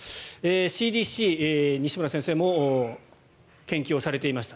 ＣＤＣ西村先生も研究されていました。